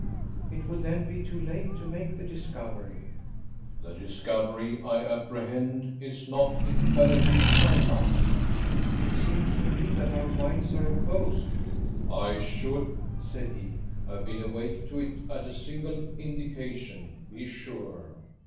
"It would then be too late to make the discovery." "The discovery, I apprehend, is not imperative, my love." "It seems to me that our minds are opposed." "I should," said he, "have been awake to it at a single indication, be sure."